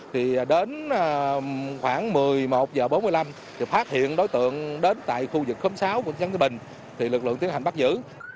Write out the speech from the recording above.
thì đến khoảng một mươi một h bốn mươi năm thì phát hiện đối tượng đến tại khu vực khóm sáu quận dâu cái bình thì lực lượng tiến hành bắt giữ